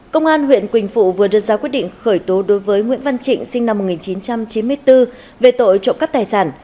công an huyện quỳnh phụ vừa đưa ra quyết định khởi tố đối với nguyễn văn trịnh sinh năm một nghìn chín trăm chín mươi bốn về tội trộm cắp tài sản